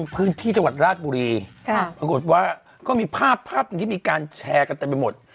ปรากฏว่าก็มีภาพพักโดยมีการแชร์กันแต่ไปหมด